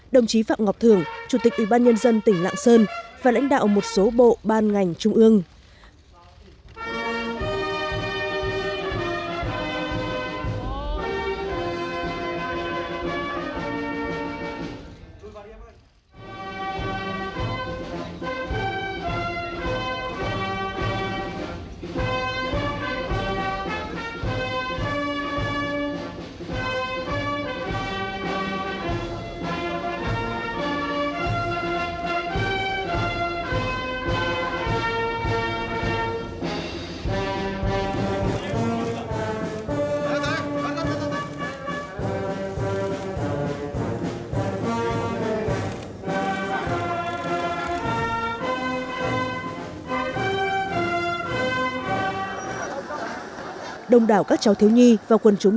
đồng chí phạm ngọc thường chủ tịch ủy ban nhân dân tỉnh lạng sơn và lãnh đạo một số bộ ban ngành trung ương